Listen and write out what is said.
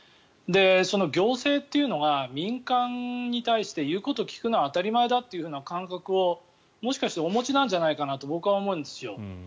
行政というのが民間に対して言うことを聞くのが当たり前だという感覚をもしかしてお持ちなんじゃないかなと僕は思うんですよ。